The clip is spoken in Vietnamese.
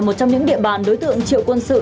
một trong những địa bàn đối tượng triệu quân sự